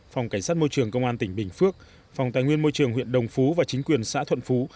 phòng cảnh sát môi trường công an tỉnh bình phước phòng tài nguyên môi trường huyện đồng phú và chính quyền xã thuận phú